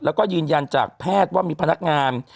แล้วก็ยืนยันจากแพทย์ว่ามีพนักงาน